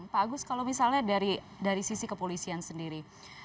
pak agus kalau misalnya dari sisi kepolisian sendiri